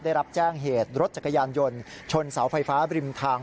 ได้รับแจ้งเหตุรถจักรยานยนต์ชนเสาไฟฟ้าบริมทาง